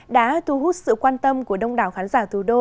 đã thu hút sự quan tâm của đông đảo khán giả thủ đô